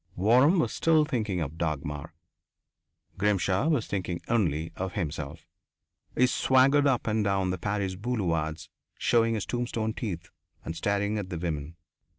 Waram was still thinking of Dagmar; Grimshaw was thinking only of himself. He swaggered up and down the Paris boulevards showing his tombstone teeth and staring at the women.